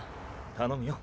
頼むよ。